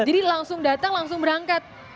jadi langsung datang langsung berangkat